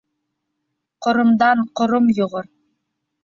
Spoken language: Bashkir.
Ҡоромдан ҡором йоғор.